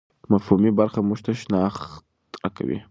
مفهومي برخه موږ ته شناخت راکوي.